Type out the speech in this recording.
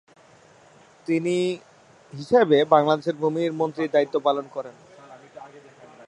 তিনি হিসেবে বাংলাদেশের ভূমি মন্ত্রীর দায়িত্ব পালন করেন।